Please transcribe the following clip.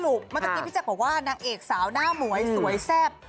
เมื่อกี้พี่แจ๊คบอกว่านางเอกสาวหน้าหมวยสวยแซ่บ